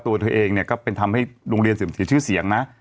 ตัวเธอเองเนี่ยก็เป็นทำให้โรงเรียนเสื่อมเสียชื่อเสียงนะ